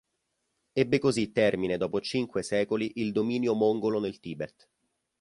Ebbe così termine dopo cinque secoli il dominio mongolo nel Tibet.